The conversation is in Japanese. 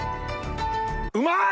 うまい！